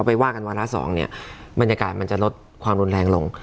ไปว่ากันวาระสองเนี่ยบรรยากาศมันจะลดความรุนแรงลง